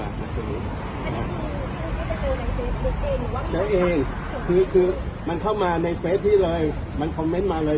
นักศึกษ์นี้นักศึกษ์ที่เข้ามาในเฟสพี่เลยมันคอมเม้นต์มาเลย